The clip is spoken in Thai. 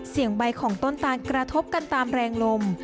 ใบของต้นตาลกระทบกันตามแรงลม